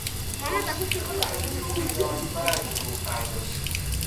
توصیف او از این رویداد پر از دروغپردازی بود.